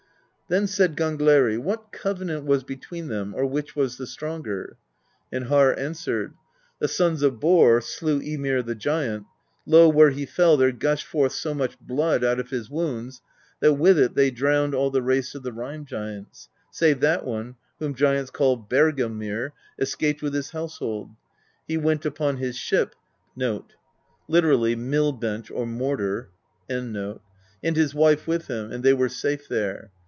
Then said Gangleri: "What covenant was between them, or which was the stronger?" And Harr answered: "The sons of Borr slew Ymir the giant; lo, where he fell there gushed forth so much blood out of his wounds that with it they drowned all the race of the Rime Giants, save that one, whom giants call Bergelmir, escaped with his household; he went upon his ship,* and his wife with him, and they were safe there.